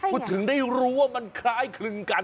คุณถึงได้รู้ว่ามันคล้ายคลึงกัน